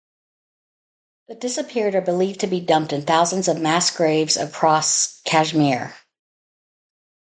The disappeared are believed to be dumped in thousands of mass graves across Kashmir.